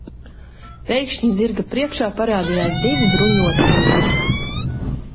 Pēkšņi zirga priekšā parādījās divi bruņoti vīri.